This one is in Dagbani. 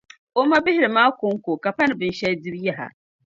o ma bihili maa kɔŋko ka pani binshɛli dibu yaha.